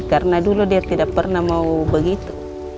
karena dulu dia tidak pernah mau begitu